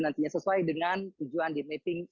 nantinya sesuai dengan tujuan di mapping